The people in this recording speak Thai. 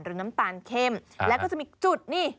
น้ำตาลเข้มแล้วก็จะมีจุดนี่